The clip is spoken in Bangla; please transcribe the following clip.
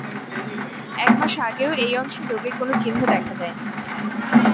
একমাস আগেও এই অংশে রোগের কোনো চিহ্ন দেখা যায়নি।